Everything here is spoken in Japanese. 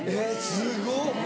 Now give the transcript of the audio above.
すごっ！